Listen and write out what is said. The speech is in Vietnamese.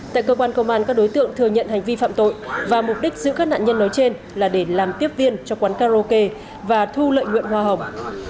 tại cơ quan công an các đối tượng thừa nhận hành vi phạm tội và mục đích giữ các nạn nhân nói trên là để làm tiếp viên cho quán karaoke và thu lợi nguyện hoa hồng